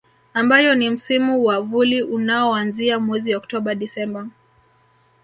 Ambayo ni Msimu wa Vuli unaoanzia mwezi Oktoba Desemba